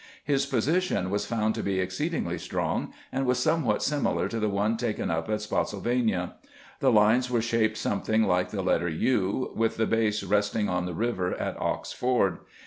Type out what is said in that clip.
His position was found to be exceedingly strong, and was somewhat similar to the one taken up at Spottsylvania. The lines were shaped something like the letter U, with the base resting on the river at Ox Ford.